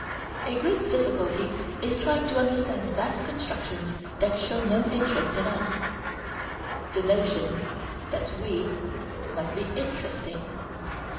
A great difficulty in trying to understand vast constructions that show no interest in us: The notion that we must be interesting.